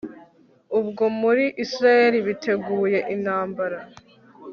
ubwo muri israheli biteguye intambara